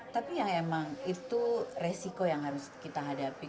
tapi ya emang itu resiko yang harus kita hadapi